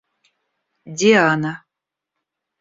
Диана